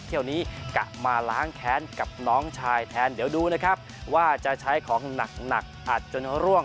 เที่ยวนี้กลับมาล้างแค้นกับน้องชายแทนเดี๋ยวดูนะครับว่าจะใช้ของหนักหนักอัดจนร่วง